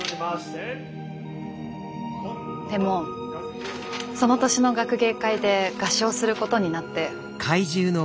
でもその年の学芸会で合唱することになって。